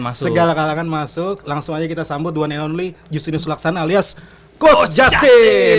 masuk kalangan masuk langsung aja kita sambut one and only justinus laksana alias coach justin